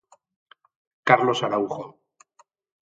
Carlos Araujo.